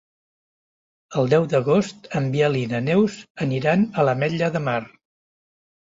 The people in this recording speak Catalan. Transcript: El deu d'agost en Biel i na Neus aniran a l'Ametlla de Mar.